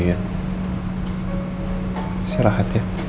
masih lah ya